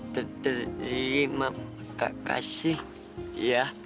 terima kasih ya